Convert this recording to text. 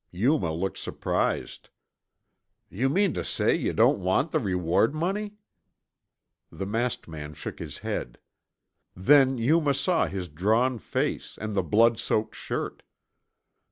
Yuma looked surprised. "Yuh mean tuh say yuh don't want the reward money?" The masked man shook his head. Then Yuma saw his drawn face and the blood soaked shirt.